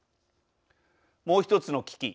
もう１つの危機